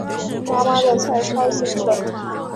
妈妈的菜超咸的